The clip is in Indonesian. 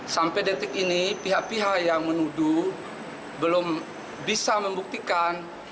sampai detik ini pihak pihak yang menuduh belum bisa membuktikan